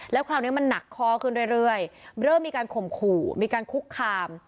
แล้วคราวนี้มันหนักคอขึ้นเรื่อยเริ่มมีการข่มขู่มีการคุกคาม